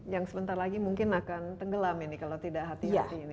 yang sebentar lagi mungkin akan tenggelam ini kalau tidak hati hati ini